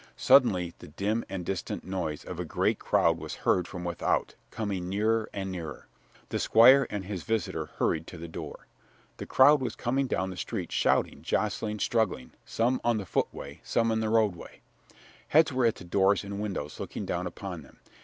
Suddenly the dim and distant noise of a great crowd was heard from without, coming nearer and nearer. The Squire and his visitor hurried to the door. The crowd was coming down the street shouting, jostling, struggling, some on the footway, some in the roadway. Heads were at the doors and windows, looking down upon them.